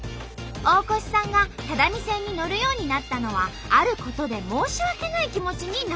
大越さんが只見線に乗るようになったのはあることで申し訳ない気持ちになったからです。